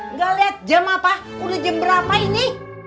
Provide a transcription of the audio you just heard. nggak lihat jam apa udah jam berapa ini